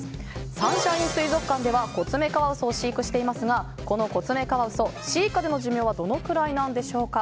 サンシャイン水族館ではコツメカワウソを飼育していますがこのコツメカワウソ、飼育下での寿命はどのくらいでしょうか。